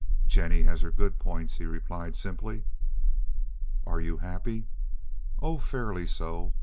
"Jennie has her good points," he replied simply. "And are you happy?" "Oh, fairly so.